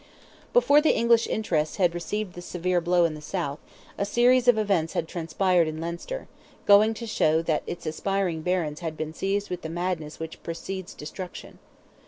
Before the English interest had received this severe blow in the south, a series of events had transpired in Leinster, going to show that its aspiring barons had been seized with the madness which precedes destruction.